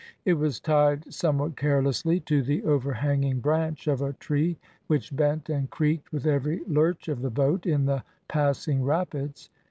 It was tied somewhat carelessly to the overhanging branch of a tree, which bent and creaked with every lurch of the boat in the passing rapids.